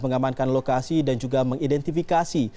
mengamankan lokasi dan juga mengidentifikasi